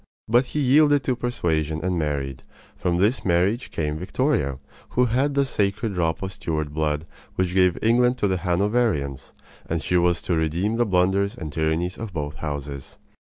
But he yielded to persuasion and married. From this marriage came Victoria, who had the sacred drop of Stuart blood which gave England to the Hanoverians; and she was to redeem the blunders and tyrannies of both houses.